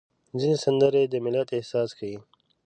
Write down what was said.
ځینې سندرې د ملت احساس ښيي.